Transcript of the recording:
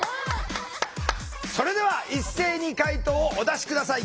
それでは一斉に解答をお出し下さい。